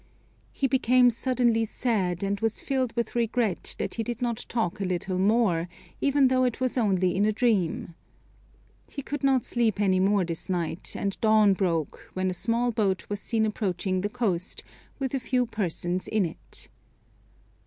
He became suddenly sad, and was filled with regret that he did not talk a little more, even though it was only in a dream. He could not sleep any more this night, and dawn broke, when a small boat was seen approaching the coast, with a few persons in it.